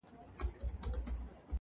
• ښکلي ټولي ترهېدلي نن چینه هغسي نه ده -